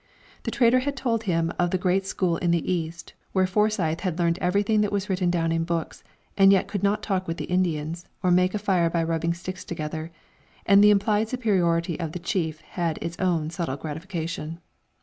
The trader had told him of the great school in the East, where Forsyth had learned everything that was written down in books, and yet could not talk with the Indians, or make a fire by rubbing sticks together; and the implied superiority of the chief had its own subtle gratification.